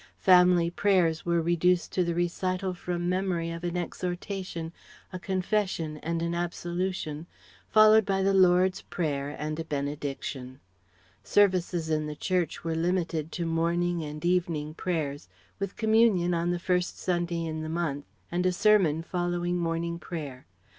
Family prayers were reduced to the recital from memory of an exhortation, a confession, and an absolution, followed by the Lord's Prayer and a benediction. Services in the church were limited to Morning and Evening prayers, with Communion on the first Sunday in the month, and a sermon following Morning prayer.